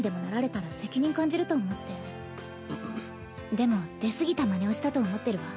でも出過ぎたまねをしたと思ってるわ。